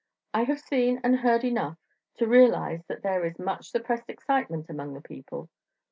I have seen and heard enough to realize that there is much suppressed excitement among the people.